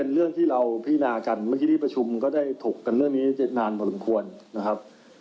เรื่องที่เราพินากันเมื่อกี้ที่ประชุมก็ได้ถกกันเรื่องนี้นานพอสมควรนะครับ